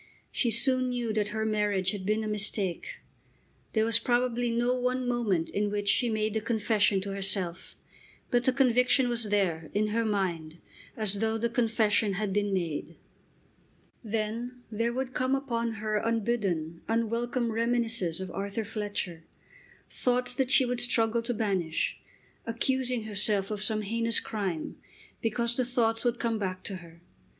She soon knew that her marriage had been a mistake. There was probably no one moment in which she made the confession to herself. But the conviction was there, in her mind, as though the confession had been made. Then there would come upon her unbidden, unwelcome reminiscences of Arthur Fletcher, thoughts that she would struggle to banish, accusing herself of some heinous crime because the thoughts would come back to her.